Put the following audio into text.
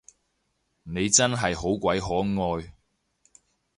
你真係好鬼可愛